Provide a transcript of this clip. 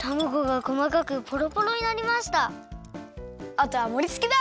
あとはもりつけだ！